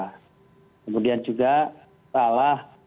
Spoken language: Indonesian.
kemudian juga salah